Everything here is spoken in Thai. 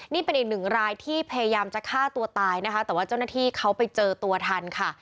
นี่เป็นอีกหนึ่งรายที่พยายามจะฆ่าตัวตายนะคะแต่ว่าเจ้าหน้าที่เขาไปเจอตัวทันค่ะ